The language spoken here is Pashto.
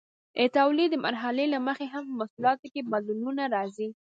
د تولید د مرحلې له مخې هم په محصولاتو کې بدلونونه راځي.